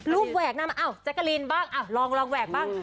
แหวกนะมาอ้าวแจ๊กกะลินบ้างลองแหวกบ้าง